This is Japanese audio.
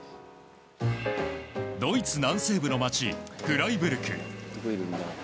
ドイツ南西部の街フライブルク。